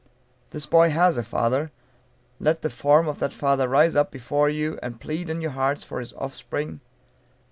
This boy has a father; let the form of that father rise up before you, and plead in your hearts for his offspring.